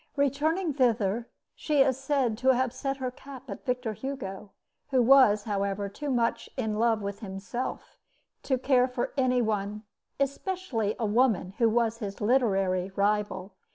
Returning thither, she is said to have set her cap at Victor Hugo, who was, however, too much in love with himself to care for any one, especially a woman who was his literary rival.